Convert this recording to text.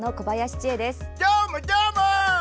どーも、どーも！